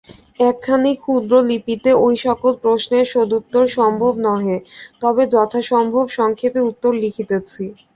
একখানি ক্ষুদ্র লিপিতে ঐসকল প্রশ্নের সদুত্তর সম্ভব নহে, তবে যথাসম্ভব সংক্ষেপে উত্তর লিখিতেছি।